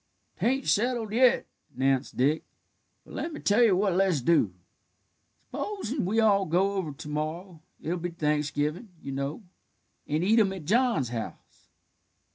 "'Tain't settled yet," announced Dick; "but lemme tell you what let's do. S'posin' we all go over to morrow it'll be Thanksgivin', you know and eat him at John's house."